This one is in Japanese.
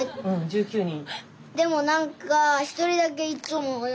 １９人。